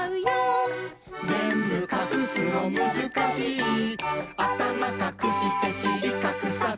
「ぜんぶかくすのむずかしい」「あたまかくしてしりかくさず」